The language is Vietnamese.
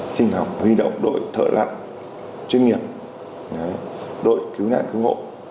xin hỏi huy động đội thợ lặn chuyên nghiệp đội cứu nạn cứu ngộ